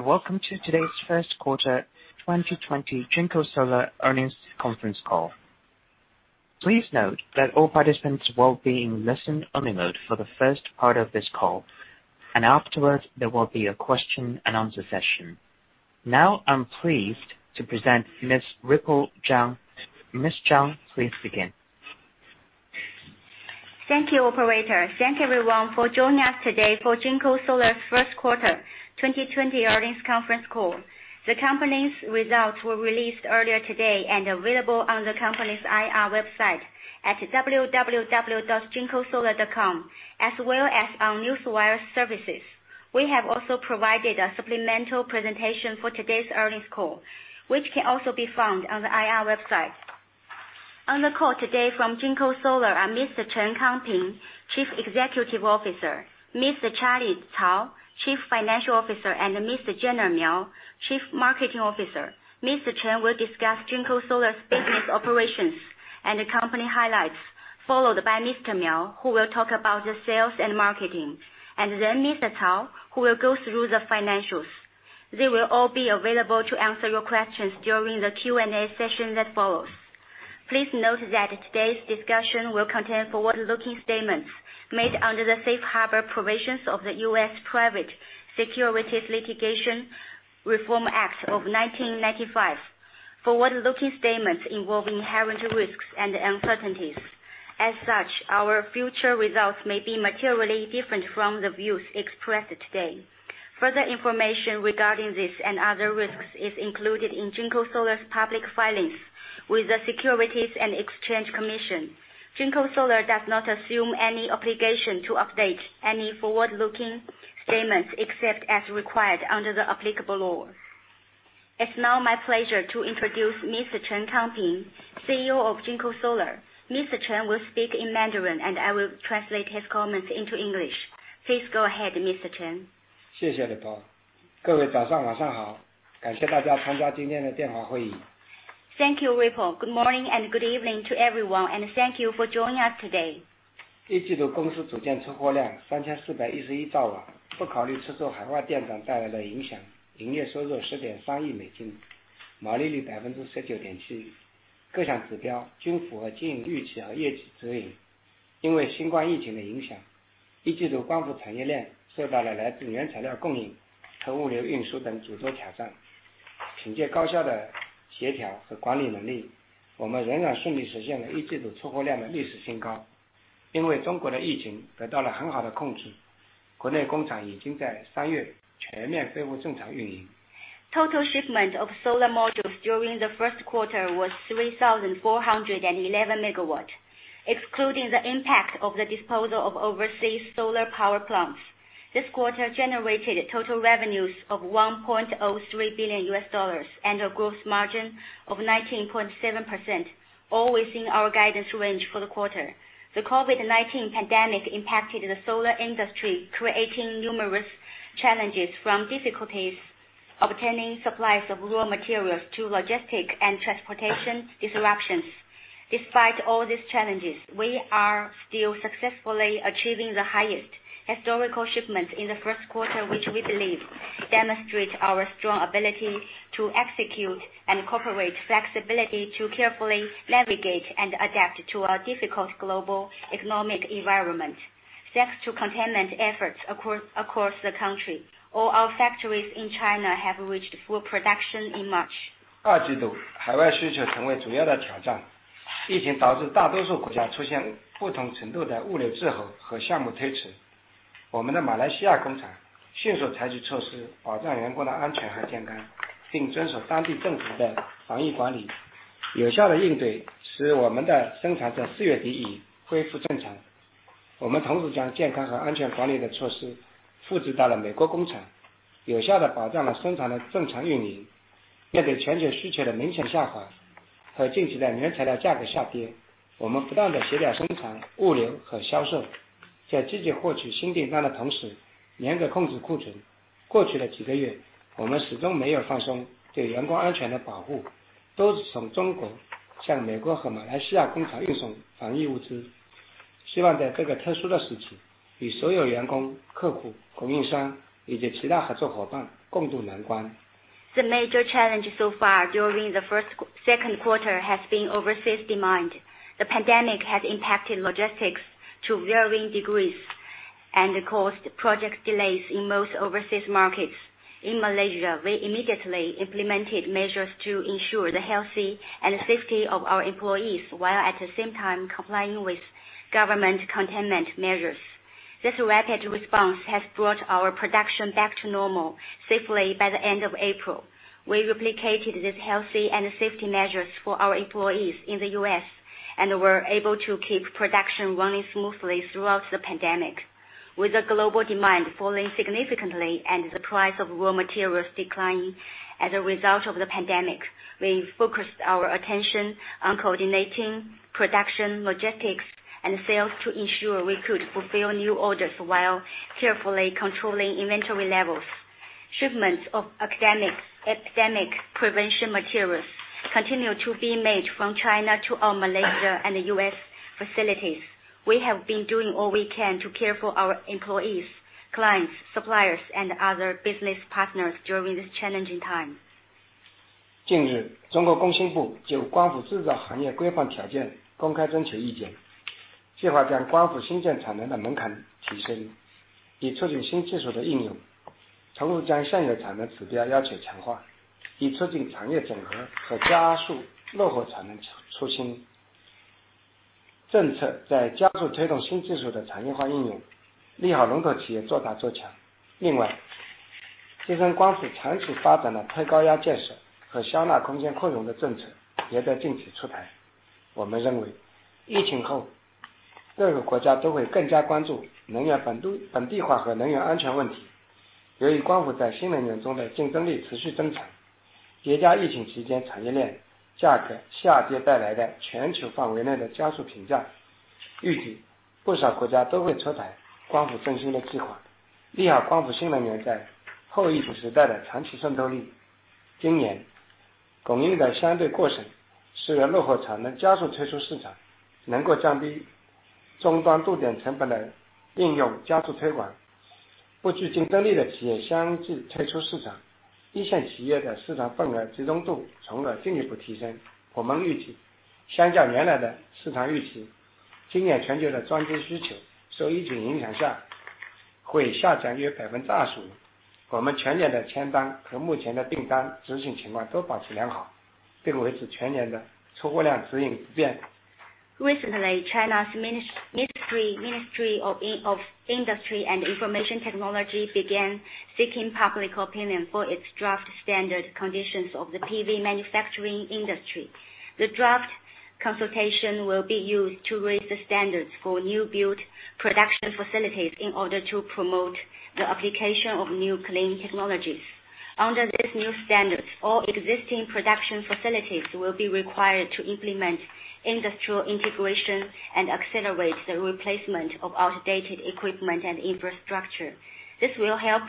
Welcome to today's first quarter 2020 JinkoSolar earnings conference call. Please note that all participants will be in listen-only mode for the first part of this call, and afterwards there will be a question-and-answer session. Now, I'm pleased to present Ms. Ripple Zhang. Ms. Zhang, please begin. Thank you, Operator. Thank everyone for joining us today for JinkoSolar's first quarter 2020 earnings conference call. The company's results were released earlier today and available on the company's IR website at www.jinkosolar.com, as well as on Newswire Services. We have also provided a supplemental presentation for today's earnings call, which can also be found on the IR website. On the call today from JinkoSolar are Mr. Chen Kangping, Chief Executive Officer; Mr. Charlie Cao, Chief Financial Officer; and Mr. Gener Miao, Chief Marketing Officer. Mr. Chen will discuss JinkoSolar's business operations and company highlights, followed by Mr. Miao, who will talk about the sales and marketing, and then Mr. Cao, who will go through the financials. They will all be available to answer your questions during the Q&A session that follows. Please note that today's discussion will contain forward-looking statements made under the Safe Harbor provisions of the U.S. Private Securities Litigation Reform Act of 1995, forward-looking statements involving inherent risks and uncertainties. As such, our future results may be materially different from the views expressed today. Further information regarding this and other risks is included in JinkoSolar's public filings with the Securities and Exchange Commission. JinkoSolar does not assume any obligation to update any forward-looking statements except as required under the applicable law. It's now my pleasure to introduce Mr. Chen Kangping, CEO of JinkoSolar. Mr. Chen will speak in Mandarin, and I will translate his comments into English. Please go ahead, Mr. Chen. 谢谢 Ripple。各位早上好，感谢大家参加今天的电话会议。Thank you, Ripple. Good morning and good evening to everyone, and thank you for joining us today. 一季度公司组件出货量 3,411 兆瓦，不考虑出售海外电缆带来的影响，营业收入 $1.03 billion，毛利率 19.7%。各项指标均符合经营预期和业绩指引。因为新冠疫情的影响，一季度光伏产业链受到了来自原材料供应和物流运输等主要挑战。凭借高效的协调和管理能力，我们仍然顺利实现了一季度出货量的历史新高。因为中国的疫情得到了很好的控制，国内工厂已经在 3 月全面恢复正常运营。Total shipment of solar modules during the first quarter was 3,411 megawatts, excluding the impact of the disposal of overseas solar power plants. This quarter generated total revenues of $1.03 billion and a gross margin of 19.7%, always in our guidance range for the quarter. The COVID-19 pandemic impacted the solar industry, creating numerous challenges, from difficulties obtaining supplies of raw materials to logistics and transportation disruptions. Despite all these challenges, we are still successfully achieving the highest historical shipments in the first quarter, which we believe demonstrates our strong ability to execute and incorporate flexibility to carefully navigate and adapt to a difficult global economic environment. Thanks to containment efforts across the country, all our factories in China have reached full production in March. The major challenges so far during the second quarter have been overseas demand. The pandemic has impacted logistics to varying degrees and caused project delays in most overseas markets. In Malaysia, we immediately implemented measures to ensure the health and safety of our employees while at the same time complying with government containment measures. This rapid response has brought our production back to normal safely by the end of April. We replicated these health and safety measures for our employees in the U.S. and were able to keep production running smoothly throughout the pandemic. With the global demand falling significantly and the price of raw materials declining as a result of the pandemic, we focused our attention on coordinating production, logistics, and sales to ensure we could fulfill new orders while carefully controlling inventory levels. Shipments of epidemic prevention materials continue to be made from China to our Malaysia and U.S. facilities. We have been doing all we can to care for our employees, clients, suppliers, and other business partners during this challenging time. 25%。我们全年的签单和目前的订单执行情况都保持良好，并维持全年的出货量指引不变。Recently, China's Ministry of Industry and Information Technology began seeking public opinion for its draft standard conditions of the PV manufacturing industry. The draft consultation will be used to raise the standards for new-built production facilities in order to promote the application of new clean technologies. Under these new standards, all existing production facilities will be required to implement industrial integration and accelerate the replacement of outdated equipment and infrastructure. This will help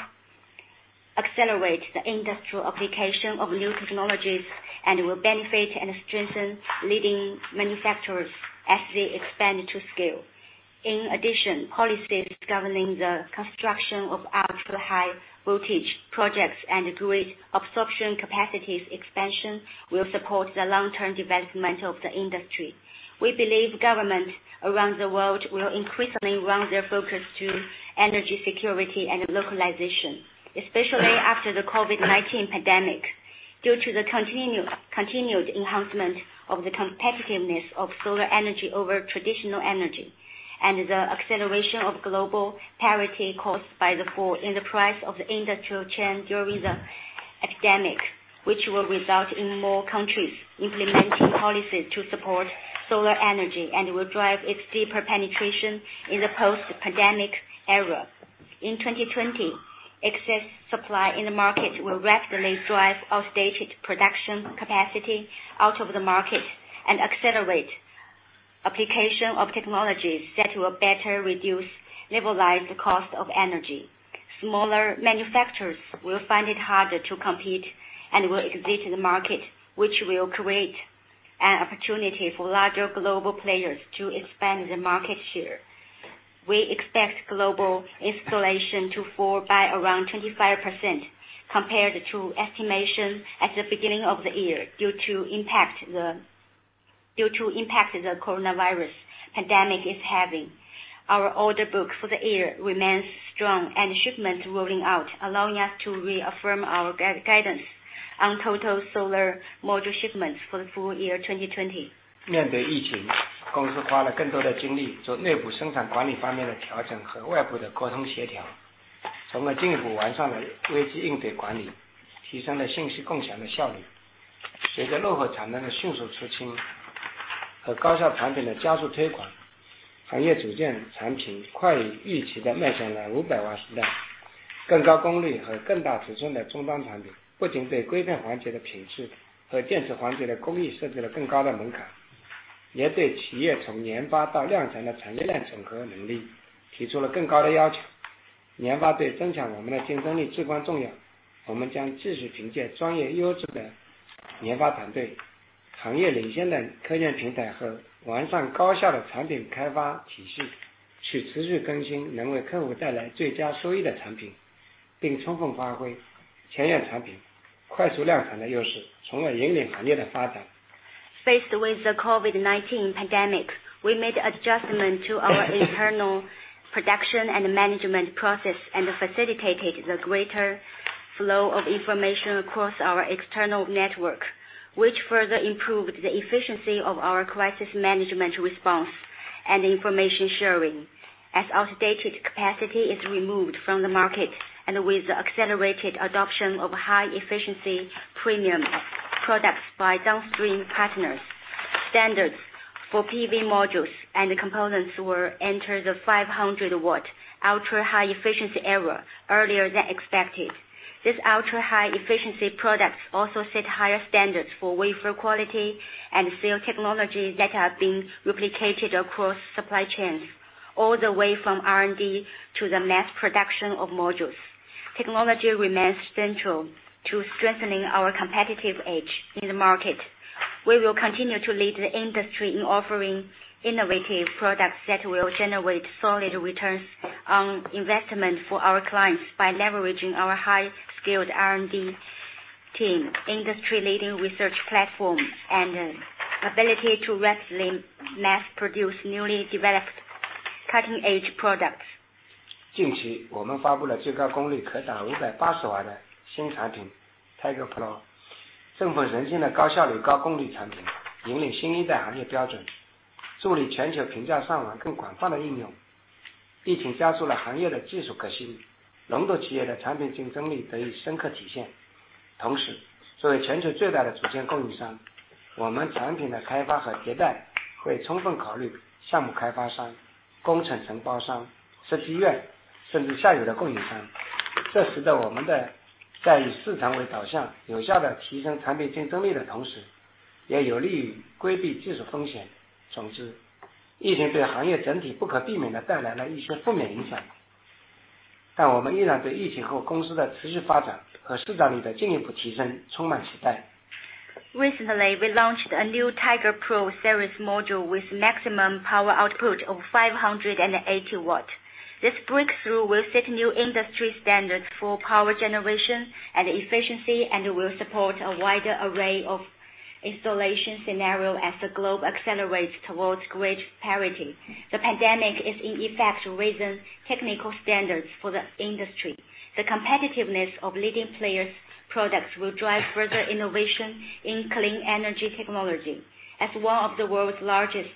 accelerate the industrial application of new technologies and will benefit and strengthen leading manufacturers as they expand to scale. In addition, policies governing the construction of ultra-high voltage projects and grid absorption capacities expansion will support the long-term development of the industry. We believe governments around the world will increasingly refocus their focus to energy security and localization, especially after the COVID-19 pandemic, due to the continued enhancement of the competitiveness of solar energy over traditional energy, and the acceleration of grid parity caused by the fall in the price of the industrial chain during the epidemic, which will result in more countries implementing policies to support solar energy and will drive its deeper penetration in the post-pandemic era. In 2020, excess supply in the market will rapidly drive outdated production capacity out of the market and accelerate application of technologies that will better reduce levelized cost of energy. Smaller manufacturers will find it harder to compete and will exit the market, which will create an opportunity for larger global players to expand their market share. We expect global installation to fall by around 25% compared to estimations at the beginning of the year due to the impact the coronavirus pandemic is having. Our order book for the year remains strong and shipments rolling out, allowing us to reaffirm our guidance on total solar module shipments for the full year 2020. Faced with the COVID-19 pandemic, we made adjustments to our internal production and management processes and facilitated the greater flow of information across our external network, which further improved the efficiency of our crisis management response and information sharing. As outdated capacity is removed from the market and with accelerated adoption of high-efficiency premium products by downstream partners, standards for PV modules and components entered the 500-watt ultra-high efficiency era earlier than expected. These ultra-high efficiency products also set higher standards for wafer quality and cell technology that have been replicated across supply chains, all the way from R&D to the mass production of modules. Technology remains central to strengthening our competitive edge in the market. We will continue to lead the industry in offering innovative products that will generate solid returns on investment for our clients by leveraging our highly skilled R&D team, industry-leading research platform, and ability to rapidly mass produce newly developed cutting-edge products. 近期，我们发布了最高功率可达 580 瓦的新产品 Tiger Pro，正是 N-type Recently, we launched a new Tiger Pro series module with maximum power output of 580 watts. This breakthrough will set new industry standards for power generation and efficiency and will support a wider array of installation scenarios as the globe accelerates towards grid parity. The pandemic is, in effect, raising technical standards for the industry. The competitiveness of leading players' products will drive further innovation in clean energy technology. As one of the world's largest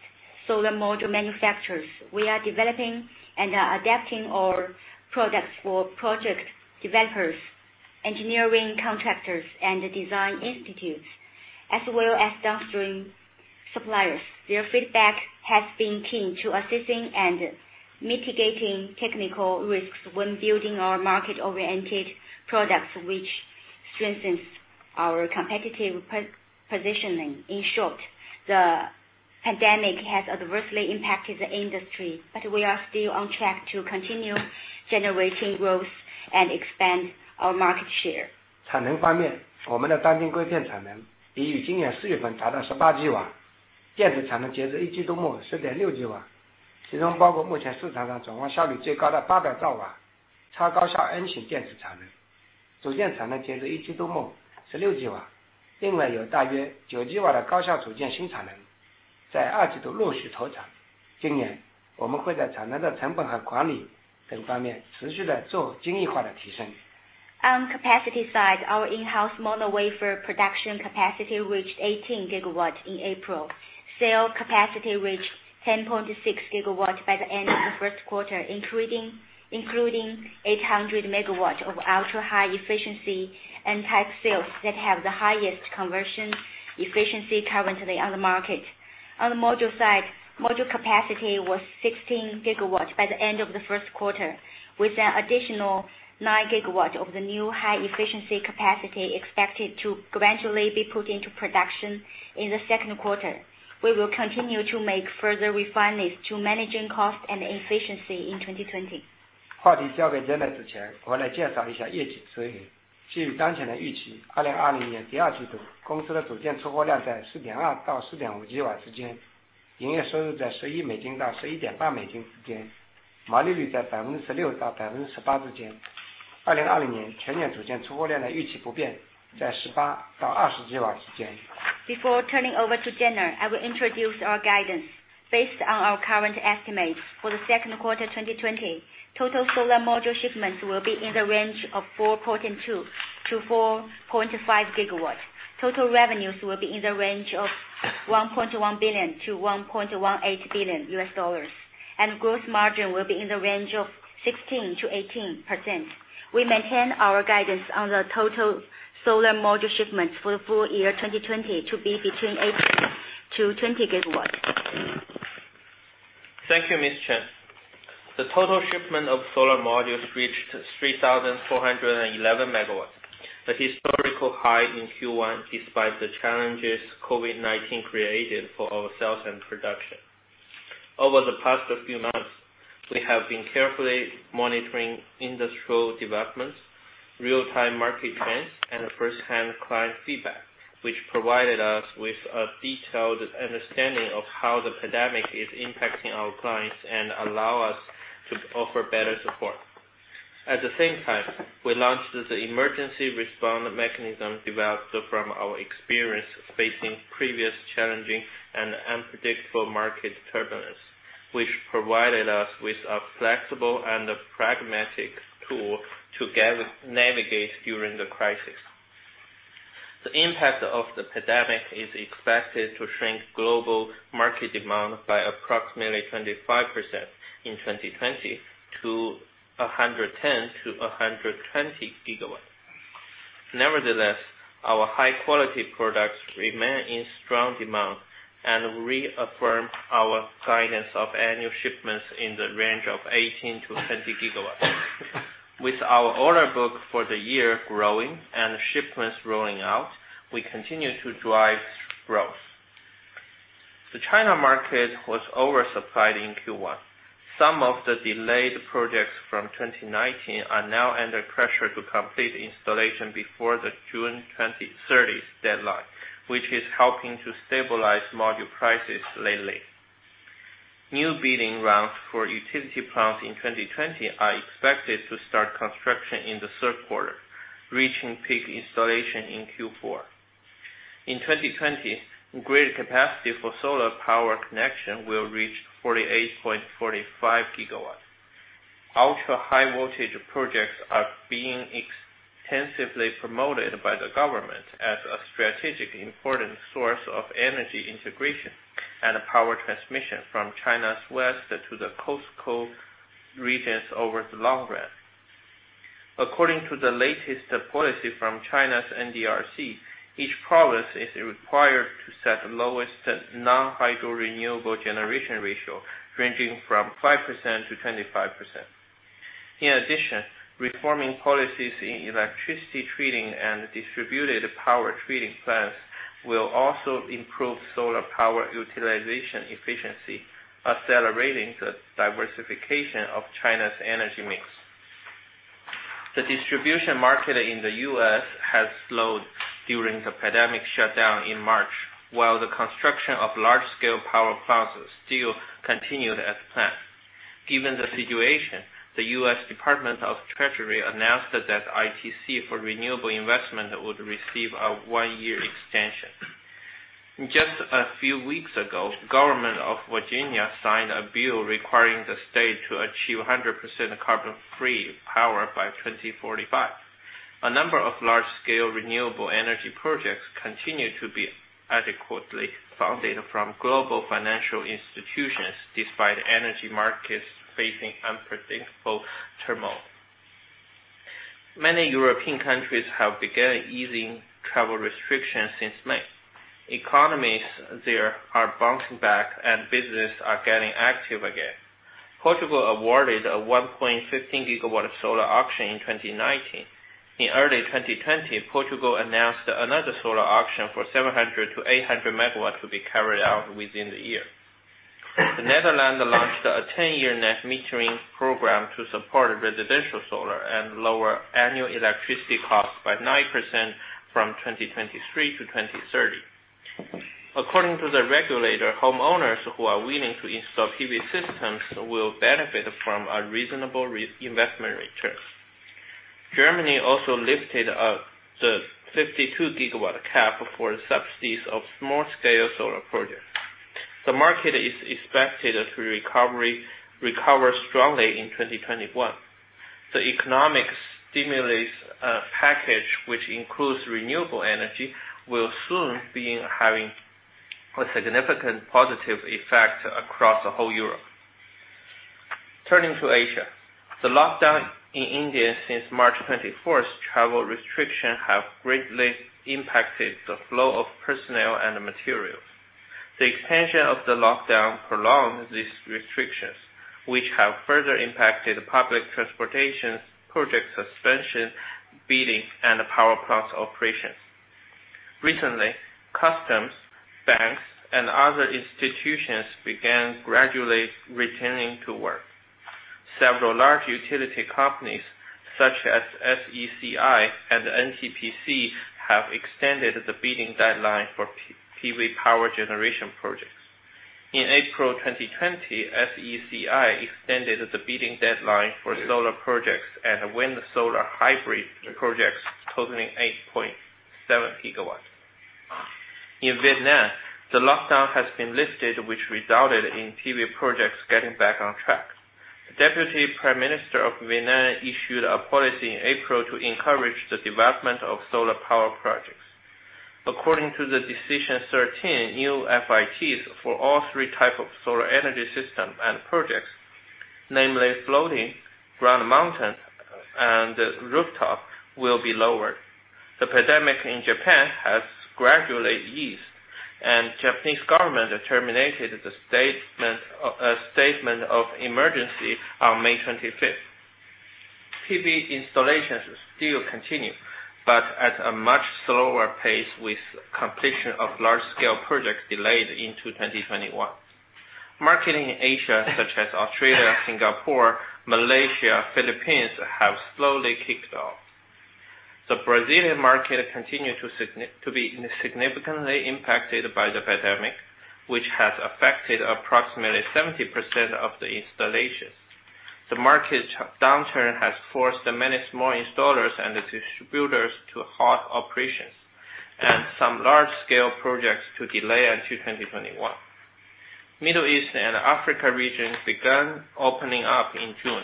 solar module manufacturers, we are developing and adapting our products for project developers, engineering contractors, and design institutes, as well as downstream suppliers. Their feedback has been key to assisting and mitigating technical risks when building our market-oriented products, which strengthens our competitive positioning. In short, the pandemic has adversely impacted the industry, but we are still on track to continue generating growth and expand our market share. 产能方面，我们的单晶硅片产能已于今年 4 月份达到 18 吉瓦，电池产能截至一季度末 10.6 吉瓦，其中包括目前市场上总共效率最高的 800 兆瓦超高效 N 型电池产能。组件产能截至一季度末 16 吉瓦，另外有大约 9 吉瓦的高效组件新产能在二季度陆续投产。今年，我们会在产能的成本和管理等方面持续地做精益化的提升。On capacity side, our in-house Mono wafer production capacity reached 18 gigawatts in April. Cell capacity reached 10.6 gigawatts by the end of the first quarter, including 800 megawatts of ultra-high efficiency N-type cells that have the highest conversion efficiency currently on the market. On the module side, module capacity was 16 gigawatts by the end of the first quarter, with an additional nine gigawatts of the new high-efficiency capacity expected to gradually be put into production in the second quarter. We will continue to make further refinements to managing cost and efficiency in 2020. revenue between RMB 11 billion-RMB 11.8 billion, gross margin between 16%-18%. The full-year module shipments expectation for 2020 remains unchanged, between 18-20 GW. Before turning over to Gener, I will introduce our guidance. Based on our current estimates for the second quarter 2020, total solar module shipments will be in the range of 4.2-4.5 gigawatts. Total revenues will be in the range of $1.1 billion-$1.18 billion, and gross margin will be in the range of 16%-18%. We maintain our guidance on the total solar module shipments for the full year 2020 to be between 8-20 gigawatts. Thank you, Mr. Chen. The total shipment of solar modules reached 3,411 megawatts, the historical high in Q1 despite the challenges COVID-19 created for our sales and production. Over the past few months, we have been carefully monitoring industrial developments, real-time market trends, and first-hand client feedback, which provided us with a detailed understanding of how the pandemic is impacting our clients and allowed us to offer better support. At the same time, we launched the emergency response mechanism developed from our experience facing previous challenging and unpredictable market turbulence, which provided us with a flexible and pragmatic tool to navigate during the crisis. The impact of the pandemic is expected to shrink global market demand by approximately 25% in 2020 to 110 to 120 gigawatts. Nevertheless, our high-quality products remain in strong demand and reaffirm our guidance of annual shipments in the range of 18 to 20 gigawatts. With our order book for the year growing and shipments rolling out, we continue to drive growth. The China market was oversupplied in Q1. Some of the delayed projects from 2019 are now under pressure to complete installation before the June 30 deadline, which is helping to stabilize module prices lately. New bidding rounds for utility plants in 2020 are expected to start construction in the third quarter, reaching peak installation in Q4. In 2020, grid capacity for solar power connection will reach 48.45 gigawatts. Ultra-high voltage projects are being extensively promoted by the government as a strategically important source of energy integration and power transmission from China's west to the coastal regions over the long run. According to the latest policy from China's NDRC, each province is required to set the lowest non-hydro renewable generation ratio, ranging from 5% to 25%. In addition, reforming policies in electricity trading and distributed power trading pilot will also improve solar power utilization efficiency, accelerating the diversification of China's energy mix. The distribution market in the U.S. has slowed during the pandemic shutdown in March, while the construction of large-scale power plants still continued as planned. Given the situation, the U.S. Department of the Treasury announced that ITC for renewable investment would receive a one-year extension. Just a few weeks ago, the government of Virginia signed a bill requiring the state to achieve 100% carbon-free power by 2045. A number of large-scale renewable energy projects continue to be adequately funded from global financial institutions despite energy markets facing unpredictable turmoil. Many European countries have begun easing travel restrictions since May. Economies there are bouncing back, and businesses are getting active again. Portugal awarded a 1.15-gigawatt solar auction in 2019. In early 2020, Portugal announced another solar auction for 700-800 megawatts to be carried out within the year. The Netherlands launched a 10-year net metering program to support residential solar and lower annual electricity costs by 9% from 2023-2030. According to the regulator, homeowners who are willing to install PV systems will benefit from a reasonable investment return. Germany also lifted the 52-gigawatt cap for subsidies of small-scale solar projects. The market is expected to recover strongly in 2021. The economic stimulus package, which includes renewable energy, will soon be having a significant positive effect across the whole Europe. Turning to Asia, the lockdown in India since March 24. Travel restrictions have greatly impacted the flow of personnel and materials. The extension of the lockdown prolonged these restrictions, which have further impacted public transportation project suspension, bidding, and power plant operations. Recently, customs, banks, and other institutions began gradually returning to work. Several large utility companies, such as SECI and NTPC, have extended the bidding deadline for PV power generation projects. In April 2020, SECI extended the bidding deadline for solar projects and wind solar hybrid projects totaling 8.7 gigawatts. In Vietnam, the lockdown has been lifted, which resulted in PV projects getting back on track. The Deputy Prime Minister of Vietnam issued a policy in April to encourage the development of solar power projects. According to the Decision 13, new FITs for all three types of solar energy systems and projects, namely floating, ground-mounted, and rooftop, will be lowered. The pandemic in Japan has gradually eased, and the Japanese government terminated the state of emergency on May 25. PV installations still continue, but at a much slower pace, with completion of large-scale projects delayed into 2021. Markets in Asia, such as Australia, Singapore, Malaysia, and the Philippines, have slowly kicked off. The Brazilian market continues to be significantly impacted by the pandemic, which has affected approximately 70% of the installations. The market downturn has forced many small installers and distributors to halt operations and some large-scale projects to delay until 2021. The Middle East and Africa region began opening up in June.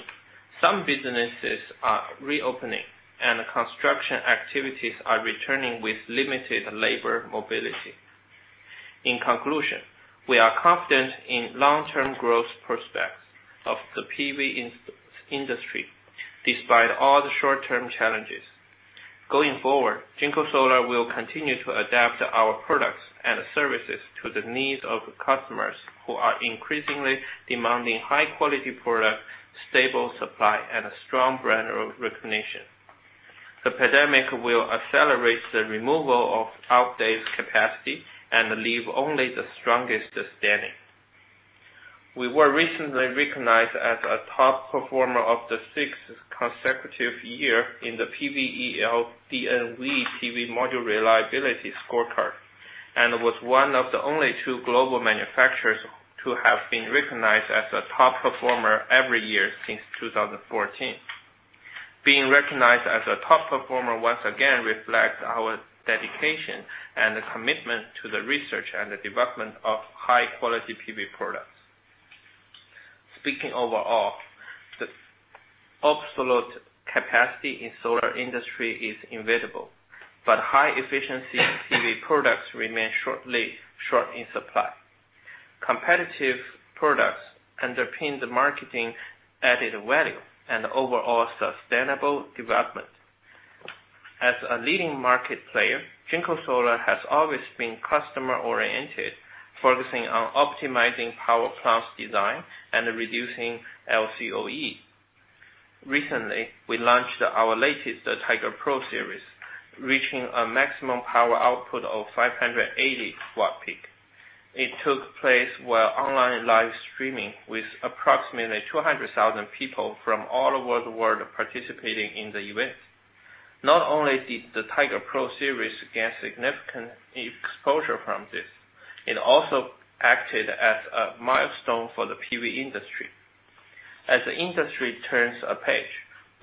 Some businesses are reopening, and construction activities are returning with limited labor mobility. In conclusion, we are confident in long-term growth prospects of the PV industry despite all the short-term challenges. Going forward, JinkoSolar will continue to adapt our products and services to the needs of customers who are increasingly demanding high-quality products, stable supply, and a strong brand recognition. The pandemic will accelerate the removal of outdated capacity and leave only the strongest standing. We were recently recognized as a top performer for the sixth consecutive year in the PVEL/DNV PV Module Reliability Scorecard and were one of the only two global manufacturers to have been recognized as a top performer every year since 2014. Being recognized as a top performer once again reflects our dedication and commitment to the research and development of high-quality PV products. Speaking overall, the obsolete capacity in the solar industry is inevitable, but high-efficiency PV products remain in short supply. Competitive products underpin the market added value and overall sustainable development. As a leading market player, JinkoSolar has always been customer-oriented, focusing on optimizing power plant design and reducing LCOE. Recently, we launched our latest Tiger Pro series, reaching a maximum power output of 580-watt peak. It took place via online live streaming with approximately 200,000 people from all over the world participating in the event. Not only did the Tiger Pro series gain significant exposure from this, it also acted as a milestone for the PV industry. As the industry turns a page,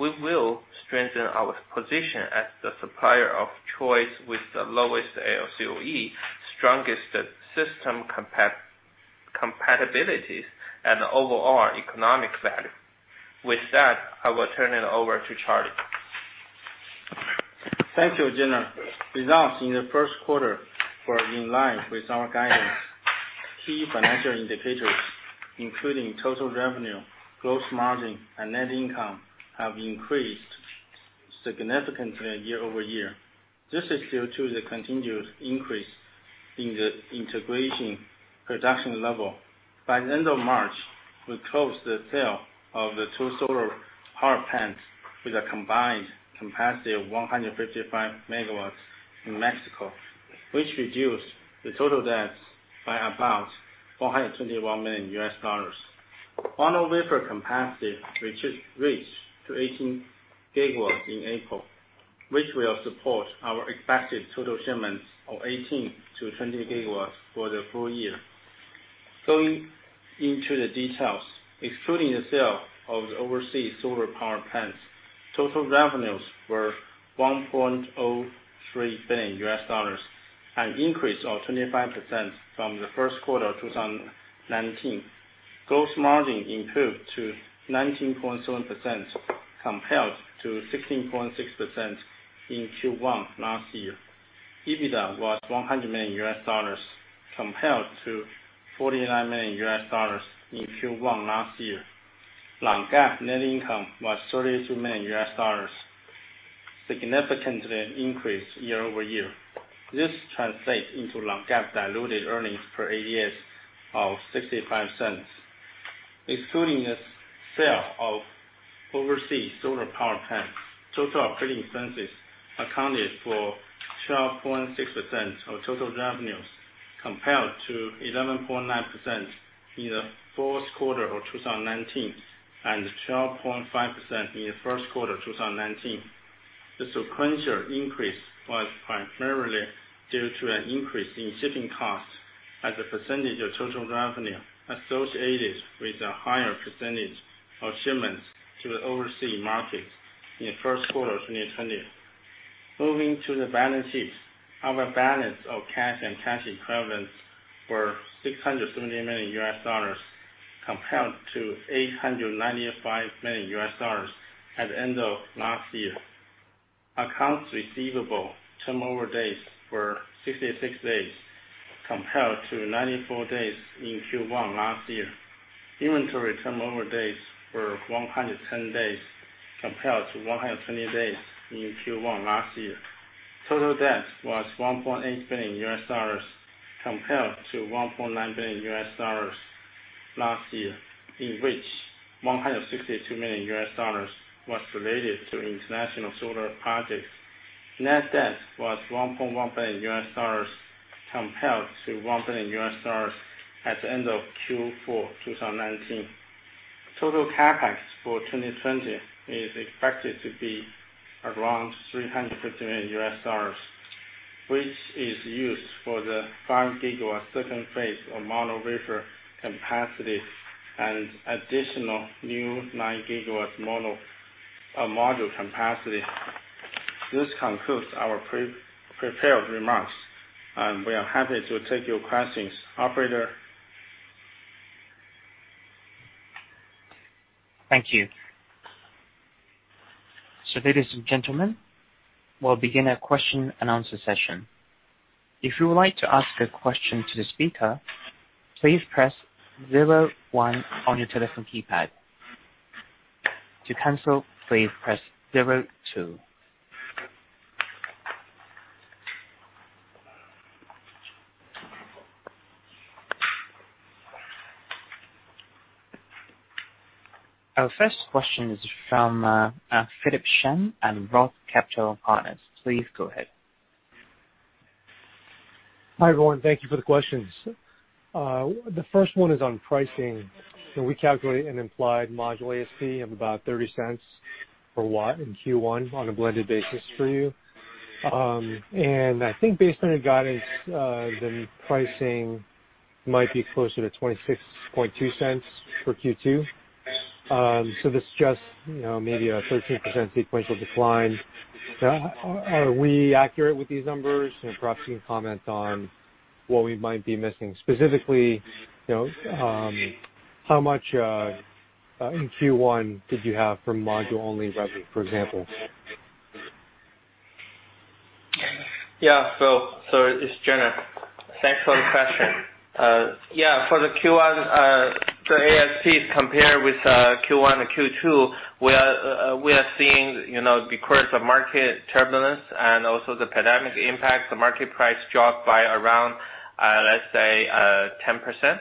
we will strengthen our position as the supplier of choice with the lowest LCOE, strongest system compatibilities, and overall economic value. With that, I will turn it over to Charlie. Thank you, Gener. Results in the first quarter were in line with our guidance. Key financial indicators, including total revenue, gross margin, and net income, have increased significantly year over year. This is due to the continued increase in the integration production level. By the end of March, we closed the sale of the two solar power plants with a combined capacity of 155 MW in Mexico, which reduced the total debts by about $421 million. Mono wafer capacity reached 18 gigawatts in April, which will support our expected total shipments of 18-20 gigawatts for the full year. Going into the details, excluding the sale of the overseas solar power plants, total revenues were $1.03 billion, an increase of 25% from the first quarter of 2019. Gross margin improved to 19.7%, compared to 16.6% in Q1 last year. EBITDA was $100 million, compared to $49 million in Q1 last year. Non-GAAP net income was $32 million, significantly increased year over year. This translates into non-GAAP diluted earnings per ADS of $0.65. Excluding the sale of overseas solar power plants, total operating expenses accounted for 12.6% of total revenues, compared to 11.9% in the fourth quarter of 2019 and 12.5% in the first quarter of 2019. The sequential increase was primarily due to an increase in shipping costs as a percentage of total revenue associated with a higher percentage of shipments to the overseas markets in the first quarter of 2020. Moving to the balance sheet, our balance of cash and cash equivalents were $670 million, compared to $895 million at the end of last year. Accounts receivable turnover days were 66 days, compared to 94 days in Q1 last year. Inventory turnover days were 110 days, compared to 120 days in Q1 last year. Total debt was $1.8 billion, compared to $1.9 billion last year, in which $162 million was related to international solar projects. Net debt was $1.1 billion, compared to $1 billion at the end of Q4 2019. Total CapEx for 2020 is expected to be around $350 million, which is used for the 5 gigawatt second phase of mono wafer capacity and additional new 9 gigawatt module capacity. This concludes our prepared remarks, and we are happy to take your questions. Operator. Thank you. So ladies and gentlemen, we'll begin a question and answer session. If you would like to ask a question to the speaker, please 01 press on your telephone keypad. To cancel, please press 02. Our first question is from Philip Shen at Roth Capital Partners. Please go ahead. Hi everyone, thank you for the questions. The first one is on pricing. We calculate an implied module ASP of about $0.30 per watt in Q1 on a blended basis for you. And I think based on your guidance, the pricing might be closer to $0.262 for Q2. So this is just maybe a 13% sequential decline. Are we accurate with these numbers? Perhaps you can comment on what we might be missing. Specifically, how much in Q1 did you have from module-only revenue, for example? Yeah, so it's Gener. Thanks for the question. Yeah, for the Q1, the ASPs compared with Q1 and Q2, we are seeing because of market turbulence and also the pandemic impact, the market price dropped by around, let's say, 10%.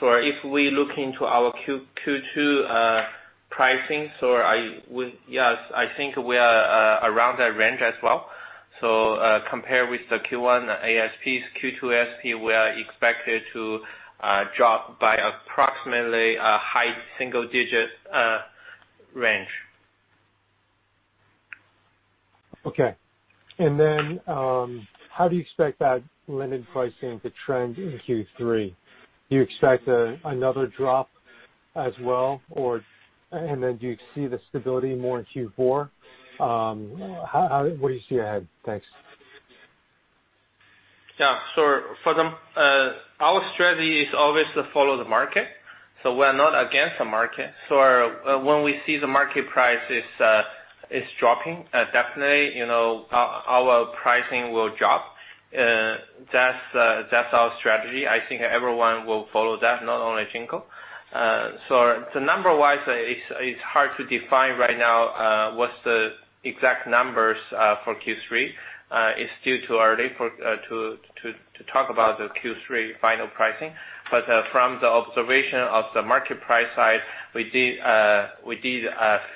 So if we look into our Q2 pricing, so yes, I think we are around that range as well. So compared with the Q1 ASPs, Q2 ASP, we are expected to drop by approximately a high single-digit range. Okay. And then how do you expect that blended pricing to trend in Q3? Do you expect another drop as well? And then do you see the stability more in Q4? What do you see ahead? Thanks. Yeah, so for them, our strategy is always to follow the market. So we are not against the market. So when we see the market price is dropping, definitely our pricing will drop. That's our strategy. I think everyone will follow that, not only Jinko. So the number-wise, it's hard to define right now what's the exact numbers for Q3. It's too early to talk about the Q3 final pricing. But from the observation of the market price side, we did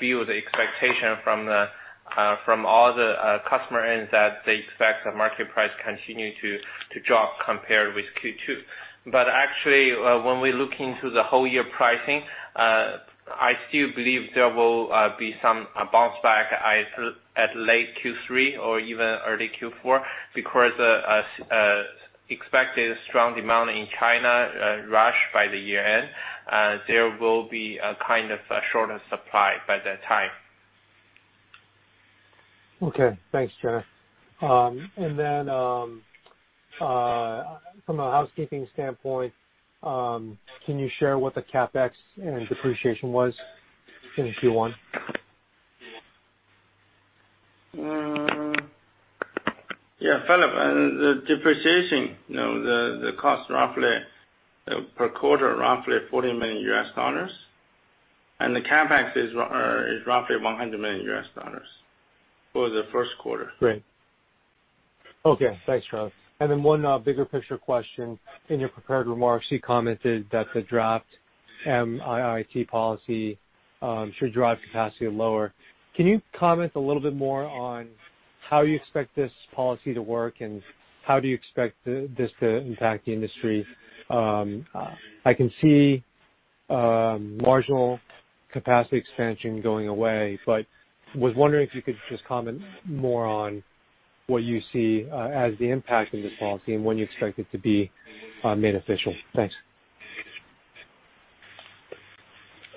feel the expectation from all the customer ends that they expect the market price to continue to drop compared with Q2. But actually, when we look into the whole year pricing, I still believe there will be some bounce back at late Q3 or even early Q4 because expected strong demand in China rush by the year end. There will be a kind of shorter supply by that time. Okay. Thanks, Gener. And then from a housekeeping standpoint, can you share what the CapEx and depreciation was in Q1? Yeah, Philip, the depreciation, the cost roughly per quarter, roughly $40 million. And the CapEx is roughly $100 million for the first quarter. Great. Okay. Thanks, Charlie. And then one bigger picture question in your prepared remarks. You commented that the draft MIIT policy should drive capacity lower. Can you comment a little bit more on how you expect this policy to work and how do you expect this to impact the industry? I can see marginal capacity expansion going away, but was wondering if you could just comment more on what you see as the impact of this policy and when you expect it to be made official. Thanks.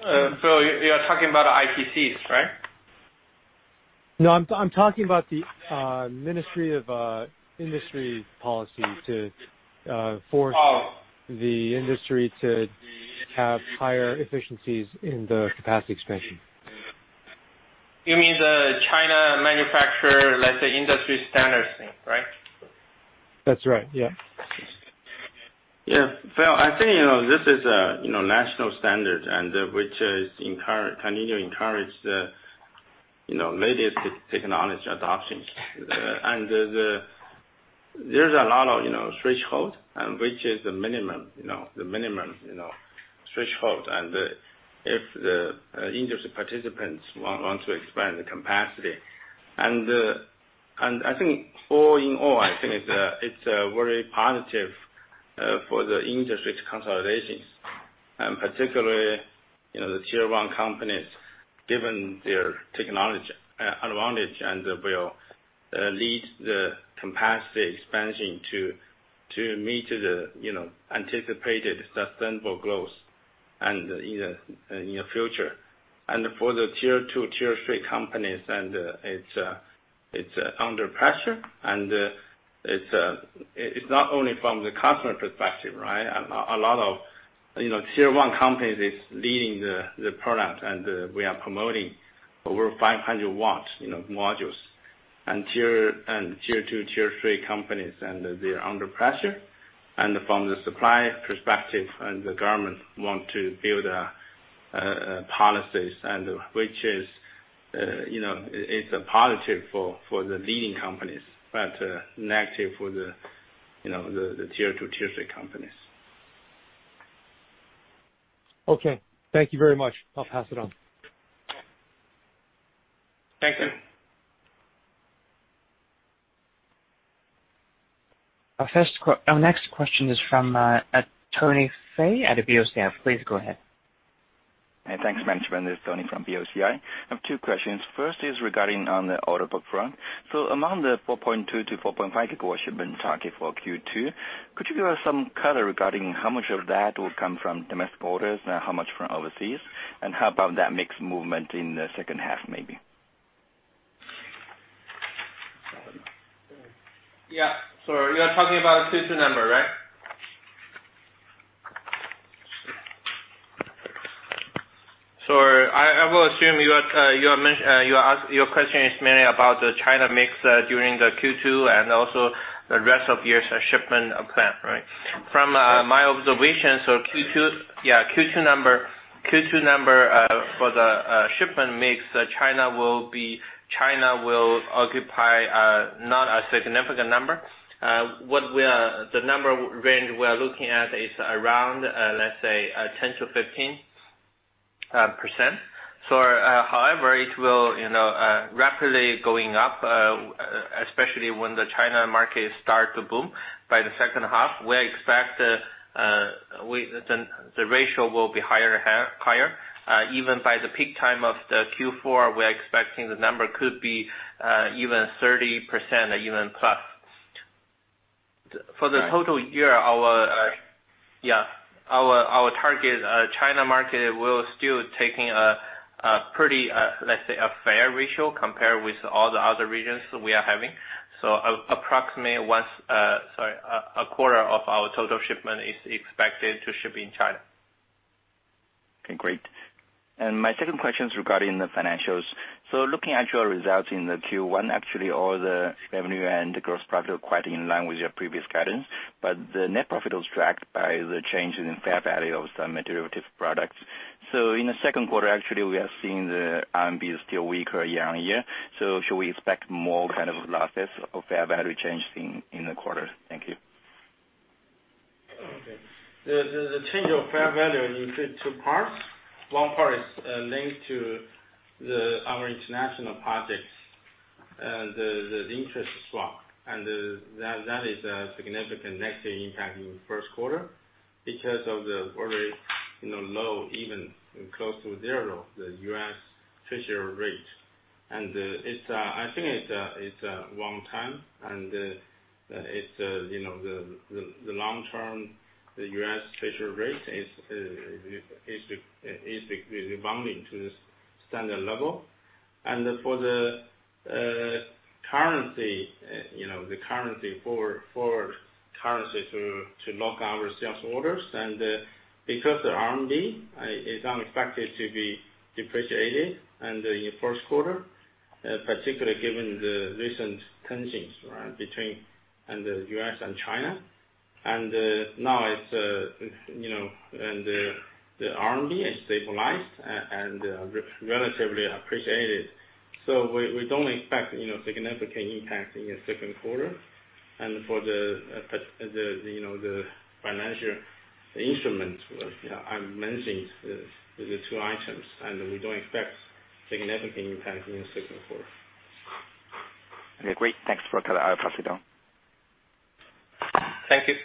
So you're talking about ITCs, right? No, I'm talking about the Ministry of Industry policy to force the industry to have higher efficiencies in the capacity expansion. You mean the China manufacturer, let's say, industry standards thing, right? That's right. Yeah. Yeah. Well, I think this is a national standard, which is continuing to encourage the latest technology adoptions. And there's a lot of threshold, which is the minimum threshold. And if the industry participants want to expand the capacity. And I think all in all, I think it's a very positive for the industry consolidations, and particularly the tier one companies, given their technology advantage and will lead the capacity expansion to meet the anticipated sustainable growth in the future. And for the tier two, tier three companies, it's under pressure. And it's not only from the customer perspective, right? A lot of tier one companies are leading the product, and we are promoting over 500-watt modules, and tier two, tier three companies, they are under pressure, and from the supply perspective, the government wants to build policies, which is a positive for the leading companies, but negative for the tier two, tier three companies. Okay. Thank you very much. I'll pass it on. Thank you. Our next question is from Tony Fei at BOCI. Please go ahead. Hey, thanks, Management. This is Tony from BOCI. I have two questions. First is regarding on the order book front. So among the 4.2-4.5 gigawatt shipment target for Q2, could you give us some color regarding how much of that will come from domestic orders and how much from overseas? And how about that mixed movement in the second half, maybe? Yeah. You're talking about a Q2 number, right? I will assume your question is mainly about the China mix during the Q2 and also the rest of the year's shipment plan, right? From my observation, the Q2 number for the shipment mix, China will occupy not a significant number. The number range we are looking at is around, let's say, 10%-15%. However, it will rapidly go up, especially when the China market starts to boom by the second half. We expect the ratio will be higher. Even by the peak time of the Q4, we are expecting the number could be even 30%, even plus. For the total year, yeah, our target China market will still take a pretty, let's say, a fair ratio compared with all the other regions we are having. So approximately one quarter of our total shipment is expected to ship in China. Okay. Great. And my second question is regarding the financials. So looking at your results in the Q1, actually, all the revenue and the gross profit are quite in line with your previous guidance. But the net profit was tracked by the change in fair value of some derivative products. So in the second quarter, actually, we are seeing the RMB is still weaker year on year. So should we expect more kind of losses or fair value change in the quarter? Thank you. Okay. The change of fair value is in two parts. One part is linked to our international projects and the interest swap. And that is a significant negative impact in the first quarter because of the very low, even close to zero, the U.S. Treasury rate. I think it's a long time. The long-term, the U.S. Treasury rate is rebounding to the standard level. For the currency, the currency forward currency to lock our sales orders. Because the RMB is expected to be depreciated in the first quarter, particularly given the recent tensions between the U.S. and China. Now it's and the RMB is stabilized and relatively appreciated. We don't expect significant impact in the second quarter. For the financial instrument, I mentioned the two items. We don't expect significant impact in the second quarter. Okay. Great. Thanks for passing it on. Thank you.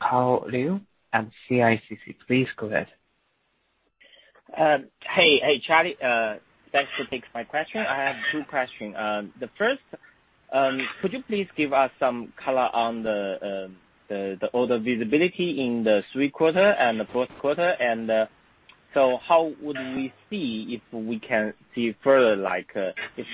Carl Liu at CICC. Please go ahead. Hey. Hey, Charlie. Thanks for taking my question. I have two questions. The first, could you please give us some color on the order visibility in the third quarter and the fourth quarter? And so how would we see if we can see further, if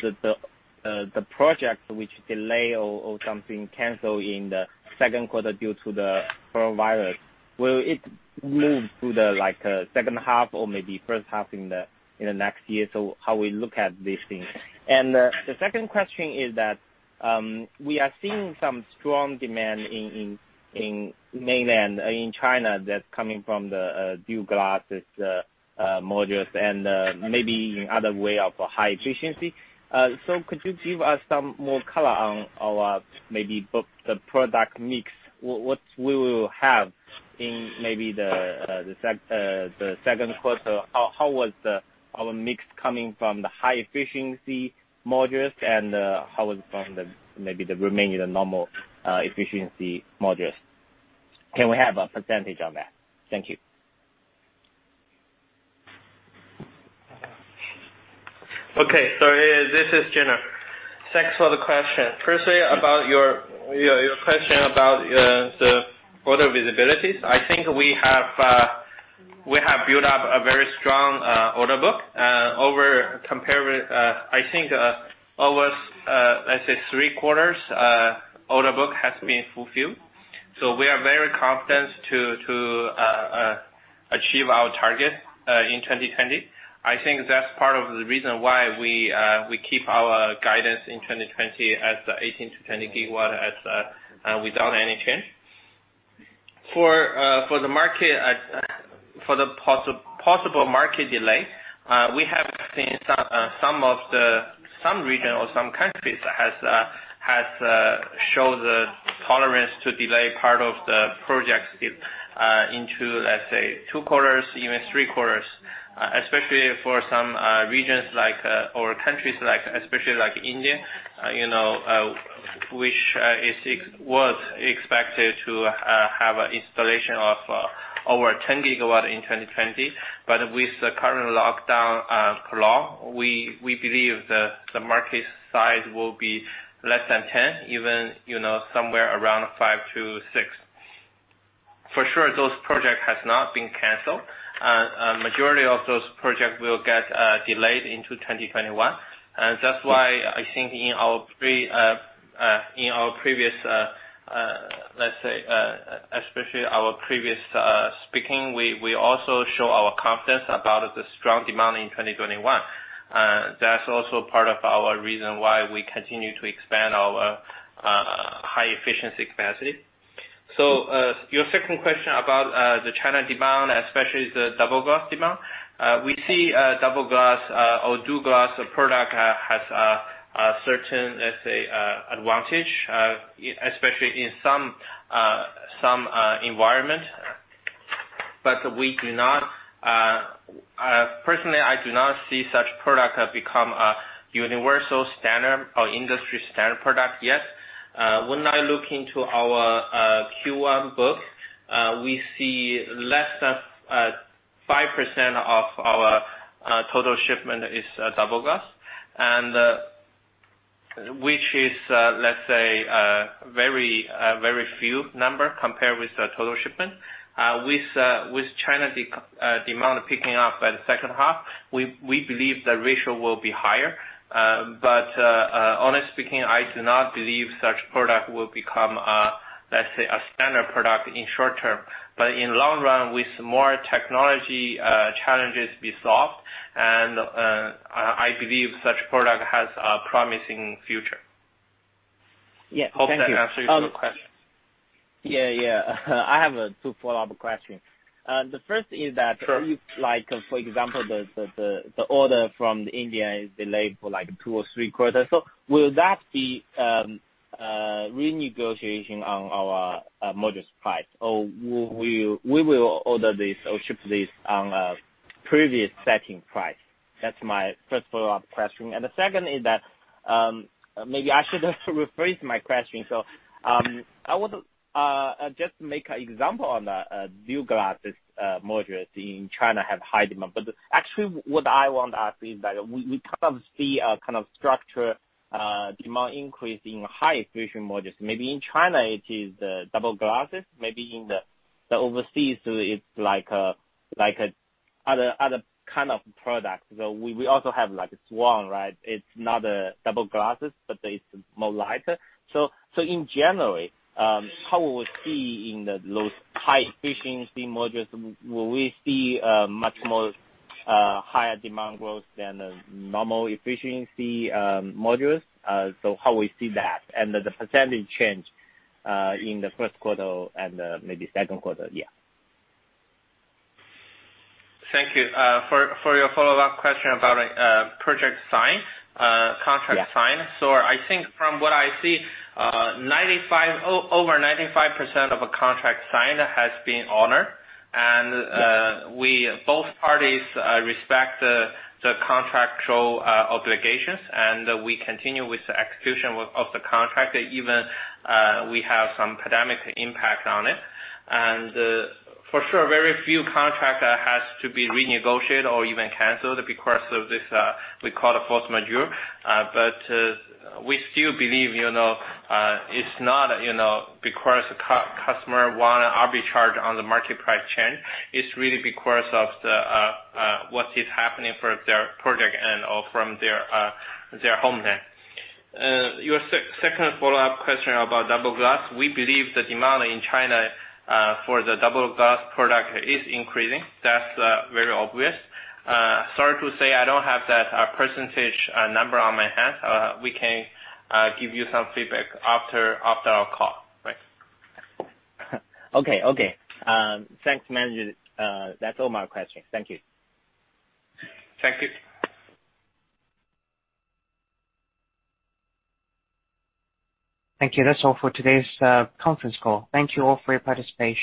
the project which delay or something cancel in the second quarter due to the coronavirus, will it move to the second half or maybe first half in the next year? So how we look at these things. And the second question is that we are seeing some strong demand in mainland China that's coming from the double glass modules and maybe in other way of high efficiency. So could you give us some more color on our maybe the product mix, what we will have in maybe the second quarter? How was our mix coming from the high efficiency modules? And how was it from maybe the remaining normal efficiency modules? Can we have a percentage on that? Thank you. Okay. So this is Jinko. Thanks for the question. Firstly, about your question about the order visibilities, I think we have built up a very strong order book. I think almost, let's say, three quarters order book has been fulfilled. So we are very confident to achieve our target in 2020. I think that's part of the reason why we keep our guidance in 2020 as 18-20 gigawatt without any change. For the market, for the possible market delay, we have seen some region or some countries has showed tolerance to delay part of the projects into, let's say, two quarters, even three quarters, especially for some regions or countries, especially like India, which was expected to have an installation of over 10 gigawatt in 2020. But with the current lockdown cloud, we believe the market size will be less than 10, even somewhere around five to six. For sure, those projects have not been canceled. Majority of those projects will get delayed into 2021. And that's why I think in our previous, let's say, especially our previous speaking, we also show our confidence about the strong demand in 2021. That's also part of our reason why we continue to expand our high efficiency capacity. So your second question about the China demand, especially the double glass demand, we see double glass or double glass product has a certain, let's say, advantage, especially in some environment. But personally, I do not see such product become a universal standard or industry standard product yet. When I look into our Q1 book, we see less than 5% of our total shipment is double glass, which is, let's say, a very few number compared with the total shipment. With China demand picking up by the second half, we believe the ratio will be higher. But honestly speaking, I do not believe such product will become, let's say, a standard product in short term. But in long run, with more technology challenges resolved, and I believe such product has a promising future. Hope that answers your question. Yeah. Yeah. I have two follow-up questions. The first is that, for example, the order from India is delayed for two or three quarters. So will that be renegotiation on our module's price? Or we will order this or ship this on a previous setting price? That's my first follow-up question. And the second is that maybe I should rephrase my question. So I would just make an example on the double glass modules in China have high demand. But actually, what I want to ask is that we kind of see a kind of structure demand increase in high efficient modules. Maybe in China, it is the double glass. Maybe in the overseas, it's like another kind of product. We also have Swan, right? It's not double glass, but it's more lighter. So in general, how will we see in those high efficiency modules? Will we see much more higher demand growth than the normal efficiency modules? So how will we see that? And the percentage change in the first quarter and maybe second quarter? Yeah. Thank you for your follow-up question about project sign, contract sign. So I think from what I see, over 95% of contracts signed has been honored. And both parties respect the contractual obligations. And we continue with the execution of the contract, even we have some pandemic impact on it. And for sure, very few contracts have to be renegotiated or even canceled because of this we call the force majeure. But we still believe it's not because customer want an arbitrage on the market price change. It's really because of what is happening for their project and/or from their homeland. Your second follow-up question about double glass, we believe the demand in China for the double glass product is increasing. That's very obvious. Sorry to say I don't have that percentage number at hand. We can give you some feedback after our call. Okay. Okay. Thanks, manager. That's all my questions. Thank you. Thank you. Thank you. That's all for today's conference call. Thank you all for your participation.